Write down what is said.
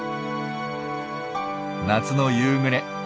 夏の夕暮れ